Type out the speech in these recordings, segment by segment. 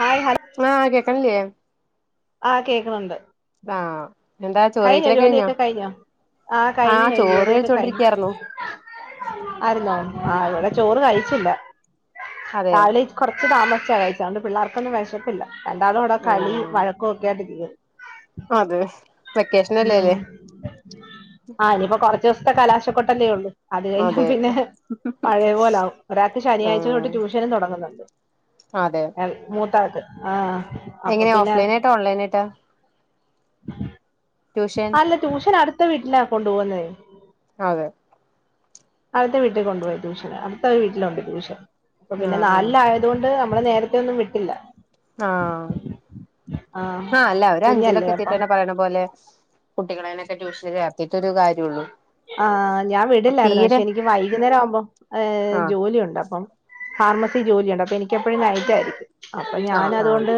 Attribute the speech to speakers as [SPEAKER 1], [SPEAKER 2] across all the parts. [SPEAKER 1] Hi hello
[SPEAKER 2] ആഹ് കേക്ക്ണില്ലേ
[SPEAKER 1] ആഹ് കേക്കുണുണ്ട്
[SPEAKER 2] ആഹ് എന്താ
[SPEAKER 1] കൈ
[SPEAKER 2] ചോറ് കഴിക്കലൊക്കെ
[SPEAKER 1] ജോലിയൊക്കെ കഴിഞ്ഞോ ജോലിയൊക്കെ കഴിഞ്ഞോ ആഹ് കഴിഞ്ഞു
[SPEAKER 2] ചോറ്
[SPEAKER 1] ജോലിയക്കെ കഴിഞ്ഞു
[SPEAKER 2] കഴിച്ചോണ്ടിരിക്കയായിരുന്നു
[SPEAKER 1] ആരുന്നോ ആഹ് ഇവിടെ ചോറ് കഴിച്ചില്ല
[SPEAKER 2] അതെ
[SPEAKER 1] രാവിലെ കുറച്ച് താമസിച്ചാ കഴിച്ചേ അതോണ്ട് പിള്ളേർക്കൊന്നും വിശപ്പില്ല രണ്ടാളും വ്ടെ കളി
[SPEAKER 2] ഉം
[SPEAKER 1] വഴക്കും ഒക്കെ ആയ്ട്ടിരിക്ക്ന്ന്
[SPEAKER 2] അതെ വെക്കേഷനല്ലേല്ലേ
[SPEAKER 1] ഉം ആഹ് ഇനിയിപ്പോ കൊറച്ചിസത്തെ കലാശക്കൊട്ടല്ലേ ഉള്ളൂ അത് കഴിഞ്ഞ
[SPEAKER 2] അതെ
[SPEAKER 1] പിന്നെ പഴയ പോലാവും ഒരാക്ക് ശനിയാഴ്ച തൊട്ട്
[SPEAKER 2] ആഹ്
[SPEAKER 1] ട്യൂഷനും തുടങ്ങുന്നുണ്ട്
[SPEAKER 2] അതെ
[SPEAKER 1] എ മൂത്ത ആക്ക് ആഹ് അപ്പൊ
[SPEAKER 2] എങ്ങനെ ഓഫ്
[SPEAKER 1] പിന്നെ
[SPEAKER 2] ലെയ്നായിട്ടാ ഓൺലൈനായിട്ടാ ട്യൂഷൻ
[SPEAKER 1] അല്ല ട്യൂഷൻ അടുത്ത വീട്ടിലാ കൊണ്ടു പോകുന്നേ
[SPEAKER 2] ആതെ
[SPEAKER 1] അടുത്ത വീട്ടിൽ കൊണ്ടുപോയി ട്യൂഷന് അടുത്ത ഒരു വീട്ടിലുണ്ട് ട്യൂഷൻ അപ്പ പിന്നെ
[SPEAKER 2] ആഹ് ആഹ്
[SPEAKER 1] നാലിലായതൊണ്ട് നമ്മള് നേരത്തെ ഒന്നും വിട്ടില്ല
[SPEAKER 2] ആഹ്
[SPEAKER 1] ആഹ്
[SPEAKER 2] ഹാ അല്ല ഒരു
[SPEAKER 1] കുഞ്ഞല്ലേ
[SPEAKER 2] അഞ്ചിലൊക്കെ
[SPEAKER 1] അപ്പം
[SPEAKER 2] എത്തിട്ട്ന്നെ പറയണം പോലെ കുട്ടികളേനൊക്കെ ട്യൂഷൻ ചേർത്തിറ്റൊരു കാര്യ
[SPEAKER 1] ആഹ് ഞാൻ വിടില്ലായിരുന്നു
[SPEAKER 2] തീരെ
[SPEAKER 1] പക്ഷെ എനിക്ക് വൈകുന്നേരാവുമ്പോ ഏഹ്
[SPEAKER 2] ആഹ്
[SPEAKER 1] ജോലിയുണ്ട് അപ്പം ഫാർമസി ജോലിയുണ്ട് അപ്പൊ എനിക്ക എപ്പഴും നൈറ്റ് ആയിരിക്കും അപ്പൊ ഞാൻ
[SPEAKER 2] ആഹ് ആഹ്
[SPEAKER 1] അതുകൊണ്ട്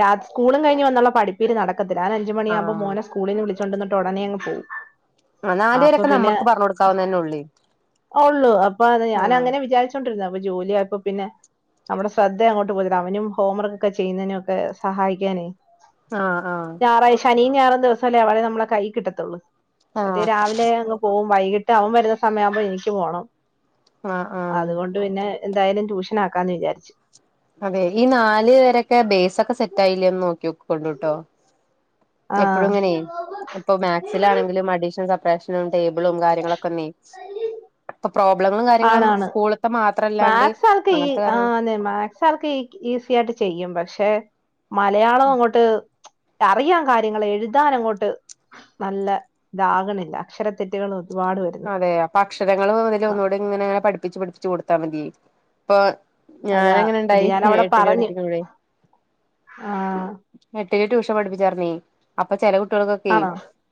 [SPEAKER 1] രാത് സ്കൂളും കഴിഞ്ഞ് വന്ന പഠിപ്പീര് നടക്കത്തില്ല ഞാൻ അഞ്ചമണിയാകുമ്പോ മോനെ
[SPEAKER 2] ആഹ്
[SPEAKER 1] സ്‌കൂളിന്ന് വിളിച്ചുകൊണ്ടന്നിട്ട് ഉടെനെ അങ് പോവും
[SPEAKER 2] നാല്
[SPEAKER 1] അപ്പൊ
[SPEAKER 2] വരൊക്കെ
[SPEAKER 1] പിന്നെ
[SPEAKER 2] നമ്മക്ക് പറഞ്ഞ് കൊടുക്കാവുന്നന്നെ ഉള്ളേ
[SPEAKER 1] അഉള്ളു അപ്പൊ അത് ഞാന
[SPEAKER 2] ആഹ്
[SPEAKER 1] അങ്ങനെ വിചാരിച്ച ചോണ്ടിരുന്ന അപ്പൊ ജോലി ആയപ്പോ പിന്നെ നമ്മുടെ ശ്രദ്ധ അങ്ങോട്ട് പോയിട്ട അവനും ഹോംവർക്ക്ക്കെ ചെയ്യുന്നതിനും ഒക്കെ സഹായിക്കാനേ
[SPEAKER 2] ആഹ് ആഹ്
[SPEAKER 1] ഞായറഴ് ശനി ഞയറും ദിവസല്ലേ അവളെ നമ്മളെ കൈ കിട്ടത്തുള്ളൂ മറ്റേ
[SPEAKER 2] ആഹ്
[SPEAKER 1] രാവിലെ അങ്ങ് പോകും വൈകിട്ട് അവൻ വരുന്ന സമയ ആകുമ്പോ എനിക്ക് പോണം
[SPEAKER 2] ആഹ് ആഹ്
[SPEAKER 1] അതുകൊണ്ട് ണ്ട് പിന്നെ എന്തായാലും ട്യൂഷൻ ആക്കാന്ന് വിചരിച്ചു
[SPEAKER 2] അതെ ഈ നാല് വരൊക്കെ ബേസ് ഒക്കെ സെറ്റ് ആയില്ലേന്ന് നോക്കി യോകൊണ്ട്ട്ടോ
[SPEAKER 1] ആഹ്
[SPEAKER 2] എപ്പോഴും ഇങ്ങനെയ ഇപ്പൊ മാക്സിലാണെങ്കിലും അഡീഷൻ സ ബ്സ്ട്രേഷനും ടേബിളും കാര്യങ്ങളൊക്കൊന്നെ അപ്പൊ പ്രോബ്ലെങ്ങൾ
[SPEAKER 1] ആണ് ആണ് മാക്സ് ആൾക്ക് ഈ
[SPEAKER 2] അങ്ങനത്തെ കാര്യങ്ങളും
[SPEAKER 1] ആന്നെ മാത് ക്സ് ആൾക്ക് ഈ ഈസി ആയിട്ട് ചെയ്യും പക്ഷെ മലയാളം അങ്ങോട്ട് അറിയം കാര്യങ്ങള് എഴുതാന അങ്ങോട്ട് നല്ല ഇതാകണില്ല അക്ഷര തെറ്റുകൾ ഒരുപാട് വ
[SPEAKER 2] അതെ അക്ഷരങ്ങള് അതി ഒന്നുകൂടി ഇങ്ങനെങ്ങനെ പഠിപ്പിച്ച് പഠിപ്പിച്ച് കൊടുത്താൻ മതി ഇപ്പൊ ഞാന
[SPEAKER 1] അതാ അത്
[SPEAKER 2] അങ്ങനെുണ്ടായി
[SPEAKER 1] ഞാൻ അവിടെ
[SPEAKER 2] എട്ടില
[SPEAKER 1] പറഞ്ഞു
[SPEAKER 2] പഠപ്പിക്ക്മ്പഴേ
[SPEAKER 1] ആ
[SPEAKER 2] എട്ടിൽ ട്യൂഷൻ പഠിപ്പിച്ചർന്നേ അപ്പൊ ചില കുട്ടികൾക്കൊക്കെ
[SPEAKER 1] ആണോ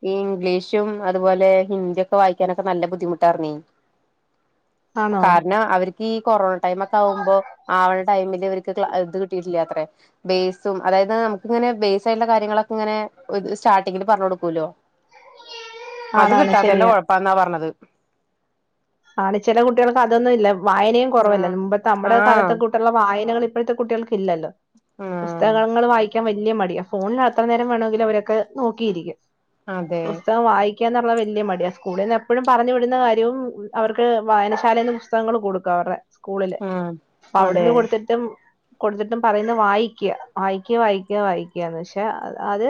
[SPEAKER 2] ഈ ഇംഗ്ലീഷും അതുപോലെ ഹിന്ദിയൊക്കെ വായിക്കാനൊക്കെ നല്ല ബുദ്ധിമുട്ടർന്നീ
[SPEAKER 1] ആണോ
[SPEAKER 2] കാരണം അവർക്ക് ഈ കൊറോണ ടൈമ ഒക്കെ ആകുമ്പോ ആവണ ടൈമില് ഇവർക്ക് ഇത് കിട്ടിയിട്ടില്ല അത്രേ ബേസും അതായത് നമുക്ക് ഇങ്ങനെ ബേസ് ആയിട്ടുള്ള കാര്യങ്ങളൊക്കെ ഇങ്ങനെ ഒരു സ്റ്റാർട്ടിങ്ങിൽ പറഞ്ഞു കൊടുക്കൂല്ലോ അത്
[SPEAKER 1] ആണാണ് ശരിയാ
[SPEAKER 2] കിട്ടാത്തന്റെ കൊഴപ്പാന്നാ പറഞ്ഞത്
[SPEAKER 1] ആണ് ചില കുട്ടികൾക്ക് അതൊന്നും ഇല്ല വായനയും കുറവല്ല
[SPEAKER 2] ആഹ്
[SPEAKER 1] മുമ്പ് നമ്മുടെ
[SPEAKER 2] ആഹ്
[SPEAKER 1] കാലത്തെ വായനകൾ ഇപ്പോഴത്തെ കുട്ടികൾക്ക ഇല്ലല്ലോ
[SPEAKER 2] ആഹ്
[SPEAKER 1] പുസ്തകങ്ങൾ വായി യിക്കാൻ വല്ല്യ മടിയ ഫോണിൽ അത്ര നേരം വേണമെങ്ക അവരൊക്കെ നോക്കിയിരിക്ക
[SPEAKER 2] അതെ
[SPEAKER 1] പുസ്തകം വായി എന്നുള്ള വലിയ മടിയ സ്കൂളിൽ നിന്ന് എപ്പോഴും പറഞ്ഞു വിടുന്ന കാര്യവും അവർക്ക് വായനശാലന്ന് പുസ്തകങ്ങള് കൊടുക്കും അവരുടെ സ്കൂളില്
[SPEAKER 2] ആഹ് അതെ
[SPEAKER 1] അവിടുന്ന് കൊടുത്തിട്ടും കൊടുത്തിട്ടും പറയുന്നത് വായിക്കുക വായിക്കുക വായിക്ക വായിക്കുകന്ന് പക്ഷെ അത്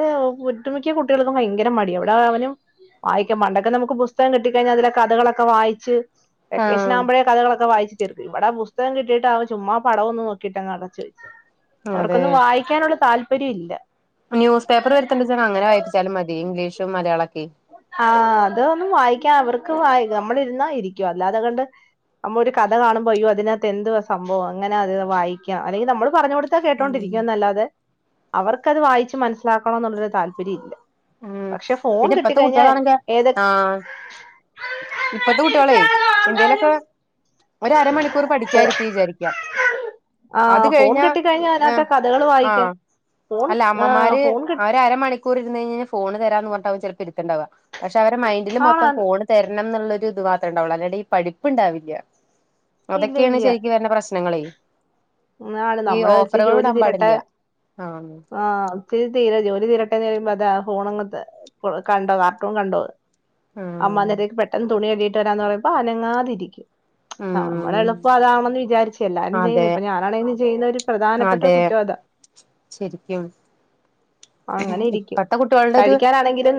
[SPEAKER 1] ഒട്ടുമിക്കിയ കുട്ടികൾക്കും ഭയങ്കര മടി വിടെ അവനും വായിക്ക് പണ്ടൊക്കെ നമുക്ക് പുസ്തം കിട്ടികഴിഞ്ഞാ അതില കഥകളൊക്കെ വായി ച് വെക്കേഷൻ
[SPEAKER 2] ആഹ്
[SPEAKER 1] ആകുമ്പഴേ കഥകളൊക്കെ വായിച് ഇവിടെ പുസ്തകം കിട്ടിട്ട് ചുമ്മാ പടംവും നോക്കിട്ട്ങ് അടച്ച വെച്ച്
[SPEAKER 2] അതെ
[SPEAKER 1] അവർക്കൊന്ന് വായി ക്കാനുള്ള താല്പര്യം ഇല്ല
[SPEAKER 2] ന്യൂസ് പേപ്പർ വരുത്തണ്ട് ച അങ്ങനെ വായിച്ചാൽ മതി ഇംഗ്ലീഷും മലയാളൊക്കെ
[SPEAKER 1] ആഹ അതൊന്ന് വായിക്കാ അവർക്ക് വായി നമ്മളിരുന്നാ ഇരിക്കും അല്ലാതെ കണ്ട് നമ്മളൊ ഒരു കഥ കാണുമ്പോയ്യ അതിനകത്ത് എന്തുവാ സംഭവം അങ്ങനെ അത് വായിക്കാം അല്ലെങ്കിൽ നമ്മള് പറഞ്ഞ കൊടു
[SPEAKER 2] ഉം
[SPEAKER 1] കേട്ടോണ്ടിരിക്ക എന്നല്ലാതെ അവർക്കത് വായിച്ച് മനസ്സിലാക്കണ എന്നുള്ളരു താല്പര്യം ഇല്ല
[SPEAKER 2] ഉം
[SPEAKER 1] പക്ഷെ ഫോൺ
[SPEAKER 2] പിന്നെ
[SPEAKER 1] കിട്ട കിട്ടി
[SPEAKER 2] ഇപ്പത്തെ
[SPEAKER 1] കഴിഞ്ഞ
[SPEAKER 2] കുട്ടികളാണെങ്കി
[SPEAKER 1] ഏതൊ
[SPEAKER 2] ആഹ് ഇപ്പത്തെ ഒരര മണിക്കൂർ പഠിക്കാരിത്തി വിചാരിക്കാ
[SPEAKER 1] ആ
[SPEAKER 2] അത്
[SPEAKER 1] ഫോൺ
[SPEAKER 2] കഴിഞ്ഞാ
[SPEAKER 1] കിട്ടിക്കഴിഞ്ഞാൽ
[SPEAKER 2] ഏ
[SPEAKER 1] അതിനകത്തെ കഥകൾ വായിക്കാം
[SPEAKER 2] ആഹ
[SPEAKER 1] ഫോൺ
[SPEAKER 2] അല്ല
[SPEAKER 1] ആ
[SPEAKER 2] അമ്മമാര്
[SPEAKER 1] ഫോൺ കിട്ട
[SPEAKER 2] അവര് അരമണിക്ക് ഇരുന്ന് കൈഞ്ഞ ഫോണ് തരാന്ന് പറഞ്ഞ ചിലപ്പോ ഇരുക്കുണ്ടാവ പക്ഷെ അവരെ മൈന്റിൽ മൊത്തം
[SPEAKER 1] ആണാണ്
[SPEAKER 2] ഫോണ് തരണം എന്നുള്ളൊരു ഇത് മാത്രേ ഉണ്ടാവുള്ളൂ അല്ലാടെ ഈ പഠിപ്പ് ഉണ്ടാവില്ല
[SPEAKER 1] ഇല്ല
[SPEAKER 2] അതൊക്കെയാണ് ശെരിക്ക് വരുന്ന പ്രശ്നങ്ങളേ
[SPEAKER 1] ണ്
[SPEAKER 2] ഈ
[SPEAKER 1] നമ്മള വെച്ച്
[SPEAKER 2] ഓഫറുകൾ
[SPEAKER 1] ജോലി
[SPEAKER 2] ഇടാൻ
[SPEAKER 1] തീരട്ടെ
[SPEAKER 2] പാടില്ല ആഹ്
[SPEAKER 1] ആഹ ഒത്തിരി തീരെ ജോലി തീരട്ടെന്ന് പറയുമ്പോ അതാ ഫോണ അങ്ങത്തെ കണ്ടോ കാർട്ടൂൺ കണ്ടോ അമ്മ അത്
[SPEAKER 2] ആഹ്
[SPEAKER 1] വരേയ്ക്കും പെട്ടെന്ന് തുണി കഴുകിട്ട് വരാന്ന് പറയുമ്പോ അനങ്ങാതിരിക്കും ആ അമ്മളെ
[SPEAKER 2] ഉം
[SPEAKER 1] എളുപ്പം അതാണെന്ന് വിജാരിച്ച് എല്ലാരും ചെയ്യ്ണ്.
[SPEAKER 2] അതെ
[SPEAKER 1] അപ്പൊ ഞാനാണെനും ചെയ്യുന്ന ഒരു പ്രധാനപ്പെട്ട കുറ്റമതാ.
[SPEAKER 2] ശെരിക്കും.
[SPEAKER 1] അങ്ങനെ ഇരിക്കും
[SPEAKER 2] കുട്ടികളുടെ ഒരു
[SPEAKER 1] കഴിക്കാനാണെങ്കിലും.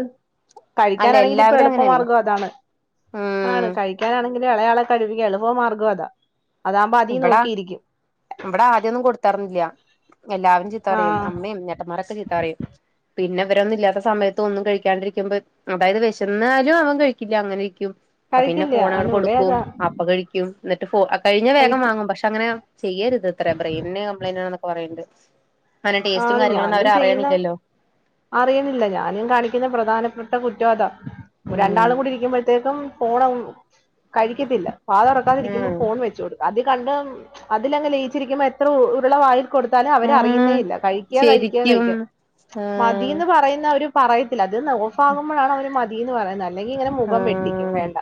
[SPEAKER 2] അല്ല
[SPEAKER 1] കഴിക്കാനാണെങ്കിലും ഇപ്പം
[SPEAKER 2] എല്ലാവരും അങ്ങനെയാണ്
[SPEAKER 1] എളുപ്പമാർഗം അതാണ്. ആണ്
[SPEAKER 2] ഉം
[SPEAKER 1] കഴിക്കാനാണെങ്കിലും ഇളയാളെ കഴിപ്പിക്കാ എളുപ്പം മാർഗ്ഗം അതാ അതാവുമ്പോ അതി നോക്കിയിരിക്കും.
[SPEAKER 2] ഇവ്ടെ ആദ്യമൊന്നും കൊടുത്താർന്നില്ല എല്ലാവരും
[SPEAKER 1] ആ
[SPEAKER 2] ചീത്തറിയും അമ്മയും ഞേട്ടന്മാരൊക്കെ ചീത്തറിയും. പിന്നെ ഇവരൊന്നും ഇല്ലാത്ത സമയത്ത് ഒന്നും കഴിക്കാണ്ടിരിക്കുംമ്പോ. അതായത് വെശന്നാലും അവൻ കഴിക്കില്ല അങ്ങനെ ഇരിക്കും അപ്പൊ പിന്നെ
[SPEAKER 1] കഴിക്കില്ല
[SPEAKER 2] ഫോൺ അങ്ങട്
[SPEAKER 1] ആണ് ഇവിടെ
[SPEAKER 2] കൊടുക്കും.
[SPEAKER 1] അതാ
[SPEAKER 2] അപ്പ കഴിക്കും എന്നിട്ട് ഫോ ആ കഴിഞ്ഞ വേഗം
[SPEAKER 1] കഴിക്കും
[SPEAKER 2] വാങ്ങും പക്ഷെ. അങ്ങനെ ചെയ്യരുത് ഇത്രെ ബ്രെയിൻന് കംപ്ലയിന്റ് ആണൊന്നൊക്കെ പറയണ്ട്. അങ്ങനെ ടേസ്റ്റും കാര്യങ്ങളൊന്നും അവർ അറിയണില്ലല്ലോ.
[SPEAKER 1] അറിയിന്നില്ല ഞാനും കാണിക്ക്ന്ന പ്രധാനപ്പെട്ട കുറ്റാതാ
[SPEAKER 2] ഉം
[SPEAKER 1] രണ്ടാളും കൂടി ഇരിക്കുമ്പഴത്തേക്കും ഫോണം കഴിക്കത്തില്ല വാതൊറക്കാതിരിക്കുന്നു
[SPEAKER 2] ഉം
[SPEAKER 1] ഫോൺ വെച്ചൊട് അതി കണ്ട് അതിലങ്ങ് ലയിച്ചിരിക്കുമ്പോ എത്ര ഉ ഉരുള വായിൽ കൊട്ത്താലും
[SPEAKER 2] ഉം
[SPEAKER 1] അവരറിയ്ന്നേയില്ല. കഴിക്ക കഴിക്ക
[SPEAKER 2] ശരിക്കും
[SPEAKER 1] കഴിക്ക
[SPEAKER 2] ആഹ്
[SPEAKER 1] മതീന്ന് പറയുന്ന ഒരു പറയത്തില്ല അത് ന്ന് ഓഫാകുമ്പളാണ് അവര് മ തീന്ന് പറയുന്നെ അല്ലെങ്കി ങ്ങനെ മുഖം വെട്ടിക്കും
[SPEAKER 2] ആഹ്
[SPEAKER 1] വേണ്ട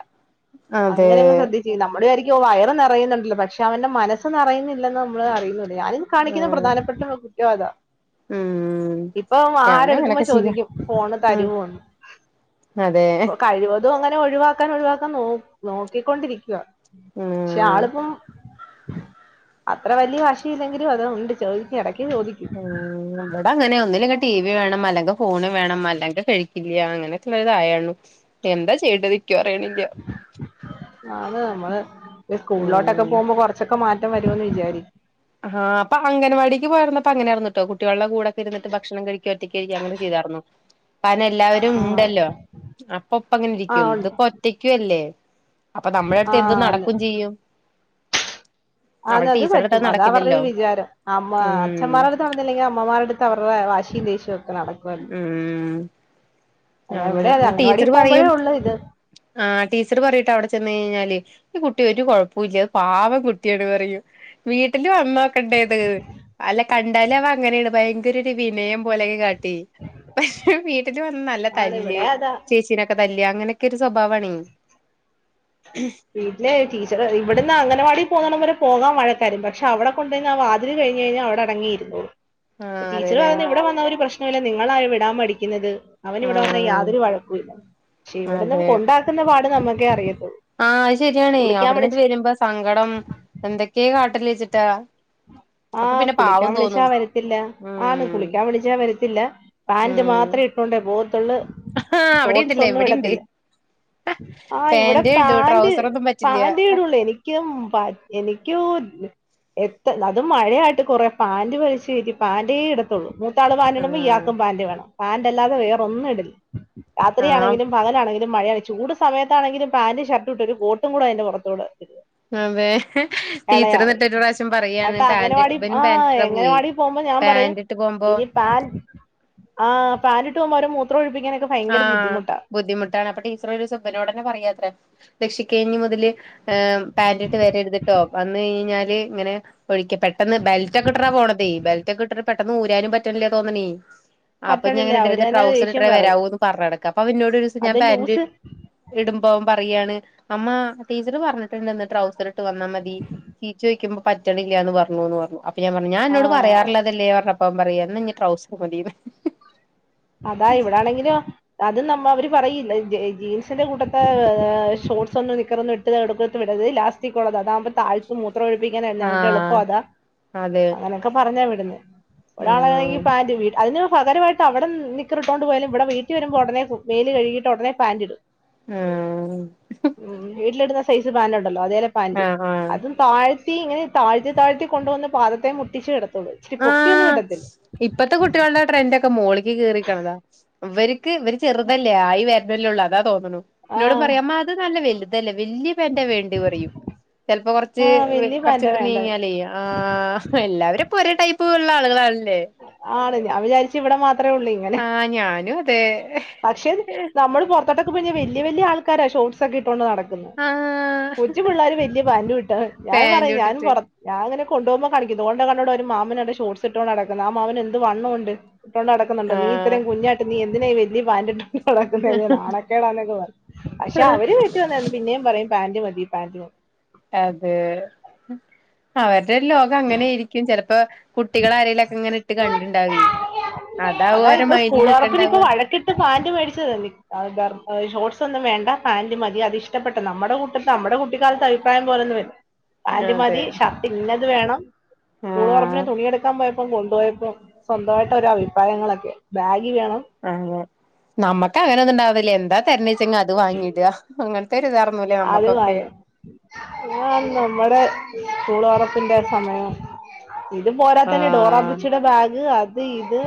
[SPEAKER 2] അതെ
[SPEAKER 1] അങ്ങനങ്ങ് ശ്രദ്ധി ച്ച് നമ്മള് വിചാരിക്കും ഓ വയറ് നെറയുന്നുണ്ടല്ലോ പക്ഷെ അവന്റെ മനസ്സ് നെറയുന്നില്ലെന്ന് നമ്മള് അറിയുന്നി ഞാനിന്ന് കാണിക്ക്ന്ന
[SPEAKER 2] ഉം
[SPEAKER 1] പ്രധാനപ്പെട്ട കുറ്റതാ.
[SPEAKER 2] ഉം
[SPEAKER 1] ഇപ്പൊ
[SPEAKER 2] ഞാനും
[SPEAKER 1] ആഹാരെട്ക്കുമ്പോ
[SPEAKER 2] അങ്ങനൊക്കെ ചെയ്യാ
[SPEAKER 1] ചോദിക്കും ഫോണ്
[SPEAKER 2] ഉം
[SPEAKER 1] തരോന്ന്.
[SPEAKER 2] അതെ.
[SPEAKER 1] അതും അങ്ങനെ ഒഴിവാക്കാൻ ഒഴിവാക്കാൻ നോ നോക്കിക്കൊണ്ടിരിക്കുവ. ക്ഷേ
[SPEAKER 2] ഉം
[SPEAKER 1] ആള്പ്പം അത്ര വെല്ല്യെ വാശിയില്ലെങ്കിലും അതാ വന്ന്ട്ട് ചോയ്ക്കും എടക്ക് ചോദി
[SPEAKER 2] ഉം ഇബടങ്ങനെ ഒന്നുല്ലെങ്കി ടി വി വേണം അല്ലെങ്കെ ഫോണ് വേണം അല്ലെങ്കി കഴിക്കില്ല അങ്ങനൊക്കെള്ള തായാണ്. എന്താ ചെയേണ്ടത്? ക്ക്യു അറീണില്ല.
[SPEAKER 1] അത് നമ്മള് ഇനി സ്കൂളിലോട്ടൊക്കെ
[SPEAKER 2] ഉം
[SPEAKER 1] പോവുമ്പോ കൊറ ച്ചൊക്കെ മാറ്റം വരോന്ന് വിചാരി
[SPEAKER 2] ആഹ് ഇപ്പ അഗൻവാടിക്ക് പോയ്ര്ന്നപ്പോ അങ്ങനെയായിര്ന്ന്ട്ടോ കുട്ട്യേൾടെ കൂടെക്കിര്ന്ന്ട്ട് ഭക്ഷണം കഴിക്ക ഒറ്റക്കഴ്ക്ക അങ്ങനെ ചെയ്താറ്ന്നു. ചെയ
[SPEAKER 1] [inaudible]
[SPEAKER 2] കാരണം
[SPEAKER 1] ആഹ്
[SPEAKER 2] എല്ലാവരുണ്ടല്ലോ അപ്പൊപ്പ
[SPEAKER 1] ആഹ്
[SPEAKER 2] അങ്ങനെരിക്കും
[SPEAKER 1] ഉണ്ട്
[SPEAKER 2] ഇത്പ്പൊറ്റക്ക്യുല്ലേ? അപ്പൊ നമ്മളെട്തെന്തും
[SPEAKER 1] ആഹ്
[SPEAKER 2] നടക്കും ചെയ്യും.
[SPEAKER 1] ആന്ന്
[SPEAKER 2] അവിടെ
[SPEAKER 1] അത്
[SPEAKER 2] ടീച്ചറുടെ അടുത്ത്
[SPEAKER 1] പറ്റും അതാ അവർടൊരു
[SPEAKER 2] നടക്കില്ലല്ലോ
[SPEAKER 1] വിചാരം അമ്മാ
[SPEAKER 2] ഉം
[SPEAKER 1] അച്ഛന്മാരര് ത്ത് നടന്നിലെങ്കി അമ്മമാരെട്ത്ത അവർടെ വാശീം ദേശ്യൊക്കെ നട
[SPEAKER 2] ഉം.
[SPEAKER 1] അതാ ഇവിടെ
[SPEAKER 2] അങ്ങനെ
[SPEAKER 1] അതെ
[SPEAKER 2] ന്ന്
[SPEAKER 1] അംഗൻവാടി
[SPEAKER 2] ടീച്ചർ പറിയും
[SPEAKER 1] പോകുമ്പോഴേ ഉള്ളൂ ഇത്
[SPEAKER 2] ആഹ് ടീച്ചർ പറയുട്ടൊ അവടെ ചെന്നഴിഞ്ഞാല് ഈ കുട്ടി ഒരു കൊഴപ്പുല്ല അത് പാവം കുട്ട്യാണ് പറയും. വീട്ട്ല് വന്നോക്കണ്ടെത് അല്ല കണ്ടാലവ അങ്ങനെണ് ഭയങ്കരൊര് വിനയം പോലെക്കെ കാട്ടി പക്ഷെ വീട്ടില് വന്ന നല്ല
[SPEAKER 1] ആണ്
[SPEAKER 2] തല്ല്
[SPEAKER 1] ഇവിടെ അതാ
[SPEAKER 2] ചേച്ചീനൊക്കെ തല്ലാ അങ്ങനെക്കൊരു സ്വഭാവാണ്.
[SPEAKER 1] വീട്ടില് ടീച്ചറ റിം ഇവട്ന്ന് അംഗലവാടി പോകണം വരെ പോകാൻ വഴക്കാര് പക്ഷെ അവ്ടെ കൊണ്ട് ണ്ട് ആ വാതിൽ കഴിഞ്ഞഴിഞ്ഞാ അവടെ അടങ്ങിയിര്ന്നോളും.
[SPEAKER 2] ആഹ്
[SPEAKER 1] ടീച്ചർ
[SPEAKER 2] അതെല്ലേ
[SPEAKER 1] പറയുന്നെ ഇവടെ വന്നാ ഒരു പ്രശ്നുല്ല നിങ്ങളായ് വിടാൻ മടിക്ക്ന്നത്. അവന് ഇവടെ വന്നാ
[SPEAKER 2] ആഹ്
[SPEAKER 1] യാതൊരു വഴക്കുല്ല പക്ഷെ ഇവടന്നണ്ട്
[SPEAKER 2] അതെ
[SPEAKER 1] കൊണ്ടാക്ക്ന്ന പാട് നമ്മക്കേ അറിയത്തൊള്ളൂ.
[SPEAKER 2] ആഹ് അത് ശര്യാണെ അവ്ട്ന്ന്ട്ട് വെരുമ്പോ സങ്കടം എന്തൊക്കെ കാട്ടല്ച്ചിട്ടാ.
[SPEAKER 1] ആഹ് കുളിക്കാൻ വിളിച്ചാ വരത്തില്ല ആണ്
[SPEAKER 2] ഉം
[SPEAKER 1] കുളിക്കാൻ വിളിച്ചാ വരത്തില്ല പാന്റ്
[SPEAKER 2] ഉം
[SPEAKER 1] മാത്രേ ഇ ട്ടോണ്ടെ പോവത്ത്ള്ള്
[SPEAKER 2] ആഹ് അവിടെയുണ്ടല്ലേ
[SPEAKER 1] ഷോട്സൊന്നും
[SPEAKER 2] ഇവിടെയുണ്ട്
[SPEAKER 1] ഇടത്തില്ല. ആഹ് ഇവടെ
[SPEAKER 2] പാന്റ് ഇടൂ
[SPEAKER 1] പാന്റ്
[SPEAKER 2] ട്രൗസർ ഒന്നും പറ്റില്ല
[SPEAKER 1] പാന്റേടൊള്ളെനി ക്ക്യും പ എനിക്ക്യും എത്ത അതും മഴയായിട്ട് കൊറെ പാന്റ് വല്ച്ച് കേറ്റി പാന്റേട ത്തൊള്ളൂ മൂത്താള് പാന്റ് ട്മ്പോ
[SPEAKER 2] ആഹ്
[SPEAKER 1] ഇയക്കും പാന്റ് വേണം പാന്റല്ലാതെ വേറൊന്നുടില്ല
[SPEAKER 2] ആഹ്
[SPEAKER 1] രാത്രിയാണെങ്കിലും പകലാണെങ്കിലും മഴയാണെചൂട് സമയത്താണങ്കിലും പാന്റ് ഷർട്ടും ഇട്ടൊരു കോട്ടും കൂടെ അയ്ന്റെ പൊറത്തൂടെ [unintelligible]
[SPEAKER 2] അതെ ടീച്ചറ് ന്ന്ട്ട് ഒര് പ്രാശ് റ്റും പറയാണ്
[SPEAKER 1] എന്നിട്ട്
[SPEAKER 2] പാന്റ്
[SPEAKER 1] അംഗനവാടി
[SPEAKER 2] ഇവനും
[SPEAKER 1] ആഹ്
[SPEAKER 2] പാന്റ്ട്ട്ട്ടാ പോവെ പാന്റ്ട്ട് പോവുമ്പോ
[SPEAKER 1] പാന്റ് ആഹ് പാന്റിട്ട് പോകുമ്പോഅവരെ മൂത്രം ഒഴിപ്പിക്കാനൊക്കെ ഭയങ്കര
[SPEAKER 2] ആഹ്
[SPEAKER 1] ബുദ്ധിമുട്ടാ
[SPEAKER 2] ബുദ്ധിമുട്ടാണ് അപ്പൊ ടീച്ചർ ഒരീസം ഇബനോടെന്നെ പറയെത്രെ രക്ഷിക്കെ ഇഞ്ഞി മുതല് പാന്റിട്ട് വരരുത് ട്ടോ വന്ന് കയിഞ്ഞാല് ഇങ്ങനെ ഒഴിക്ക പെട്ടെന്ന് ബെൽറ്റൊക്കെ ഇട്ട്ട്ടാ പോണതെ ബെൽറ്റൊക്കെ ഇട്ടട്ട് പെട്ടെന്ന് ഊരാനും പറ്റണില്ലാ തോന്നണെ ആഹ്
[SPEAKER 1] പറ്റണില്ല
[SPEAKER 2] അപ്പൊഞ്ഞിങ്ങനെ
[SPEAKER 1] അവര്
[SPEAKER 2] ഇടരുത്
[SPEAKER 1] തന്നെ
[SPEAKER 2] ട്രൗസർ
[SPEAKER 1] ദേഷ്യം
[SPEAKER 2] ഇട്ട്ട്ടേ
[SPEAKER 1] പറയും
[SPEAKER 2] വരാവൂ എന്ന് പറഞ്ഞടക്ക അപ്പൊ ഇന്നോട് ഒരീസം ഞാൻ
[SPEAKER 1] അത്
[SPEAKER 2] പാന്റ്
[SPEAKER 1] ലൂസ്
[SPEAKER 2] ഇടുമ്പോം അവൻ പറയാണ് അമ്മാ ടീച്ചർ പറഞ്ഞിട്ടുണ്ട് ഇന്ന് ട്രൗസർ ഇട്ട് വന്നാ മതി ചീച്ചി ഒഴിക്കുമ്പോ പറ്റണില്ല എന്ന് പറഞ്ഞുന്ന് പറഞ്ഞു അപ് പ്പോ ഞാൻ പറഞ്ഞു ഞാൻന്നോട്
[SPEAKER 1] ആഹ്
[SPEAKER 2] പറയാറുള്ളതല്ലേ പറഞ്ഞപ്പം അവൻ പറയാ ഇനി ട്രൗസർ മതിന്ന്
[SPEAKER 1] അതാ ഇവിടാണെങ്കിലോ? അത് നമ്മ അവര് പറയില്ല ജീൻസിന്റെ കൂട്ടത്തെ് ഷോർട്സൊന്നും നിക്കറെന്നും ഇ ത് എടുക്കട്ട് വിടത് ലാസ്റ്റക്കൊള്ളത് അതാമ്പോ താഴ് മൂത്രം ഒഴിപ്പിക്കാനായി ഞങ്ങക്ക് എളുപ്പ
[SPEAKER 2] ആഹ്
[SPEAKER 1] അതാ
[SPEAKER 2] അതെ
[SPEAKER 1] അങ്ങനൊക്കെ പറഞ്ഞാ വിടുന്നെ ഒരാളാണെങ്കി
[SPEAKER 2] ആഹ്
[SPEAKER 1] പാന്റ് വി അതിന് പകരമായിട്ട് അവിടെ നിക്കറിട്ടോണ്ട് പോയാലും ഇടെ വീട്ട് വരുമ്പോ ഉടനെ മേല് കഴികീട്ട് ഉടനെ പാന്റിടും
[SPEAKER 2] ഉം
[SPEAKER 1] ഉം വീട്ടിലിടുന്ന സൈസ് പാൻറ് ഉണ്ടല്ലോ അതേലെ പാന്റ്
[SPEAKER 2] ആഹ് ആഹ്
[SPEAKER 1] അതും താഴ്ത്തി ഇങ്ങനെ താഴ്ത്തി താഴ്ത്തി കൊണ്ടുവന്ന് പാദത്തെ മുട്ടിച്ച് കെടക്കും ഇച്ചിരി പൊക്കിയൊന്നും വിടത്തില്ല
[SPEAKER 2] ഇട്ട് കാണണ ട്രെന്റെക്കെ മോളിക്ക് കേറിക്കണതാ ഇവർക്ക് ഇവര് ചെറുതല്ലേ ആയി വരുന്നല്ലേള്ളൂ അതാ തോന്ന ന്നുണു ഇന്നോട്
[SPEAKER 1] ആഹ്
[SPEAKER 2] പറയാ മ്മാ അത് നല്ല വലുതല്ലേ വല്യ പാന്റാ വേണ്ടി പറയും ചിലപ്പോ കുറച്ച്
[SPEAKER 1] ആഹ് വലിയ പാന്റാ
[SPEAKER 2] കുറച്ചങ്ങട്ട്
[SPEAKER 1] വേണ്ടേ
[SPEAKER 2] നീങ്ങ്യാലേ ആഹ് എല്ലാവരും പ്പോ ഒരേ ടൈപ്പ് ഉള്ള ആളുകളാണല്ലേ
[SPEAKER 1] ആണ് ഞാൻ വിചാരിച്ച് ഇവിടെ മാത്രേ ഉള്ളെന്ന്
[SPEAKER 2] ആഹ് ഞാനും അതെ
[SPEAKER 1] പക്ഷെ നമ്മള് പുറത്തോട്ടൊക്കെ പോയിക്കഴിഞ്ഞാ വല്യ വല്യ ആൾക്കാരാ ഷോർട്സൊക്കെ ഇട്ടൊണ്ട് നടക്ക തന്നെ
[SPEAKER 2] ആഹ്
[SPEAKER 1] കൊച്ചു പിള്ളേര് വല്യ പാന്റും ഇട്ട ഞാൻ
[SPEAKER 2] പാന്റ്
[SPEAKER 1] പറയും ഞാനും
[SPEAKER 2] ഇട്ടിട്ട്
[SPEAKER 1] പ ഞാ ഇങ്ങന കൊണ്ടോഉമ്പോ കാണിക്കും ദോണ്ടെ കണ്ടോടാ ഒരു മാമനവിടെ ഷോട്സിട്ടോണ്ട് നടക്കന്ന് ആഹ് മാമനെന്ത് വണ്ണോണ്ട് ട്ടേണ്ട് നടക്കുന്നുണ്ട് നീ
[SPEAKER 2] ആഹ്
[SPEAKER 1] ഇത്രയും കുഞ്ഞായിട്ട് നീ എന്തിനാ ഈ വല്യ പാന്റിട്ട് നടക്കുന്നെ നടക്കുന്നെ നാണക്കേടാന്നൊക്കെ പറയും പക്ഷെ അവര് വീട്ടി വന്നന്ന് പിന്നേ പറയും പാന്റ് മതി പാന്റ് മതി
[SPEAKER 2] അതെ അവരുടെ ലോകം അങ്ങനെയരിക്കും ചെലപ്പോ കുട്ടികളാരെലൊക്കെ ഇങ്ങനെ ഇട്ട് കണ്ട്ണ്ടാവെ അതാവോ ഓരെ മൈന്റിൽ നിക്കണ്ടാവാ
[SPEAKER 1] ത് പാന്റ് മേടിച്ചതന്നെ [unintelligible] ഷോർട്സ് ഒന്നും വേണ്ട പാന്റ് മതി അതിഷ്ടപ്പെട്ട നമ്മടെ കു [unintelligible] നമ്മടെ കുട്ടിക്കാലത്ത് അഭിപ്രായം പോലൊന്നും പാന്റ്
[SPEAKER 2] അതെ
[SPEAKER 1] മതി ഷർട്ട് ഇന്നത് വേണം സ്കൂൾ തൊറപ്പിന്
[SPEAKER 2] ആഹ്
[SPEAKER 1] തുണിയെടുക്കാൻ പോയപ്പം കൊണ്ടുപോയപ്പം സ്വന്തമായിട്ട് ഒരു അഭിപ്രായങ്ങളൊക്കെ ബാഗ് വേണം
[SPEAKER 2] അങ്ങനെ നമക്കങ്ങനെ ഒന്നുണ്ടാവല്യ എന്താ തെർണെച്ചാങ്ങ അത് വാങ്ങിടാ അങ [unintelligible]
[SPEAKER 1] അത് വാങ്ങി ഞാൻ നമ്മടെ കൂ ളൊറപ് പ്പ്ന്റെ സമയം ഇത് പോരാത്തെന് ഡോറാ
[SPEAKER 2] ആഹ്
[SPEAKER 1] ബുച്ചിയുടെ ബാഗ് അത് ഇത്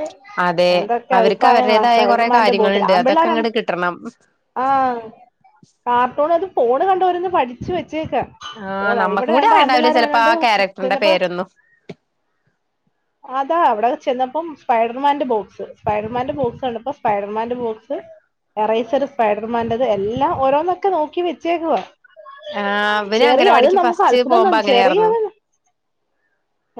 [SPEAKER 2] അതെ
[SPEAKER 1] എന്താ ക്കെ
[SPEAKER 2] അവർക്ക്
[SPEAKER 1] അഭിപ്രായങ്ങളാ
[SPEAKER 2] അവരുടേതായ കൊറെ
[SPEAKER 1] സ്പൈഡർമാന്റെ ബോട്ടിൽ
[SPEAKER 2] കാര്യങ്ങളുണ്ട് അതൊക്കെ
[SPEAKER 1] ആമ്പിള്ളോരാണെ
[SPEAKER 2] അങ്ങട് കിട്ടണം
[SPEAKER 1] ആഹ് കാർട്ടൂൺ അത് ഫോണ് കണ്ട് ഓരോന്ന് പഠിച്ചു വെച്ചേക്കാ
[SPEAKER 2] ആഹ്
[SPEAKER 1] ഓള ഇവിടെ
[SPEAKER 2] നമ്മക്കും കൂടി
[SPEAKER 1] രണ്ട
[SPEAKER 2] അറിയണ്ടാവില്ല ചെലപ്പോ
[SPEAKER 1] ആമ്പിള്ളേരായാണ്ട്
[SPEAKER 2] ആ ക്യാരക്ടറിന്റെ
[SPEAKER 1] കിന്നപ്പ
[SPEAKER 2] പേരൊന്നും
[SPEAKER 1] അതാ അവിടെ ചെന്നപ്പം സ്പൈഡർമാന്റെ ബോക്സ് സ്പൈഡർമാന്റെ ബോക്സ് കണ്ടപ്പം സ്പൈഡർമാന്റെ ബോക്സ് എറൈസറ് സ്പൈഡർമാന്റത് എല്ലാം ഓരോന്നൊക്കെ നോക്കി വെച്ചേക്കുവ
[SPEAKER 2] ആഹ് ഇവന്
[SPEAKER 1] ചെറിയ അത്
[SPEAKER 2] അംഗനവാടിക്ക്
[SPEAKER 1] നമുക്ക്
[SPEAKER 2] ഫസ്റ്റ്
[SPEAKER 1] അത്ഭുതം
[SPEAKER 2] പോകുമ്പോ
[SPEAKER 1] തോന്നി
[SPEAKER 2] അങ്ങനെയാർന്നു
[SPEAKER 1] ചെറിയവൻ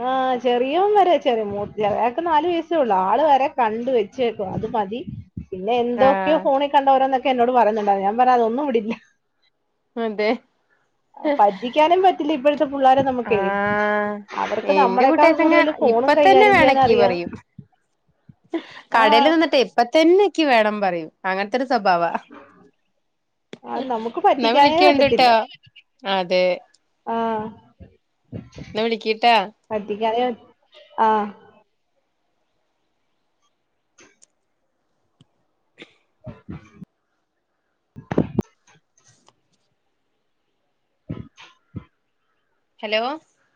[SPEAKER 1] ആഹ് ചെറിയും വരെ ചെറിയ മൂ ഇയാൾക്കെ നാല് വയസേള്ളു ആള് വരെ കണ്ടുവെ ചേക്കും അത് മതി പിന്നെ എന്തൊക്കെയോ
[SPEAKER 2] ആഹ്
[SPEAKER 1] ഫോണിൽ കണ്ടവരോന്നൊക്കെ എന്നോട് പറയുന്നുണ്ട ഞാൻ പറഞ്ഞ അതൊന്നും വിടില്ല
[SPEAKER 2] അതെ
[SPEAKER 1] പറ്റിക്കാനും പറ്റില്ല ഇപ്പോഴത്തെ പിള്ളാരെ നമുക്കേ
[SPEAKER 2] ആഹ്
[SPEAKER 1] അവർക്ക്
[SPEAKER 2] എന്റെ
[SPEAKER 1] നമ്മളെക്കാൾ
[SPEAKER 2] കുട്ടികങ്ങ
[SPEAKER 1] കൂടുതൽ
[SPEAKER 2] ഇപ്പ
[SPEAKER 1] ഫോണും
[SPEAKER 2] തന്നെ
[SPEAKER 1] കൈകാര്യം ചെയ്യാൻ
[SPEAKER 2] വേണക്കീ
[SPEAKER 1] അറിയാം
[SPEAKER 2] പറയും
[SPEAKER 1] ആ
[SPEAKER 2] കടല് നിന്നിട്ടെ ഇപ്പ തന്നെക്ക് വേണം പറയും അങ്ങൻത്തൊരു സ്വഭാവ
[SPEAKER 1] ആ നമുക്ക്
[SPEAKER 2] ന്നാ
[SPEAKER 1] പറ്റിക്കാനേ
[SPEAKER 2] വിളിക്കേണ്ട്ട്ടോ അതെ
[SPEAKER 1] ആഹ്
[SPEAKER 2] ന്ന വിളിക്കീട്ടാ
[SPEAKER 1] [unintelligible] ആഹ [unintelligible]
[SPEAKER 2] ഹലോ